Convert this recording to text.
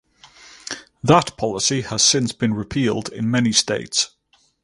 That policy has since been repealed in many states.